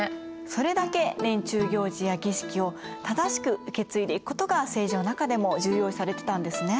それだけ年中行事や儀式を正しく受け継いでいくことが政治の中でも重要視されてたんですね。